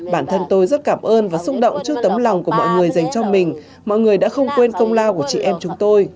bản thân tôi rất cảm ơn và xúc động trước tấm lòng của mọi người dành cho mình mọi người đã không quên công lao của chị em chúng tôi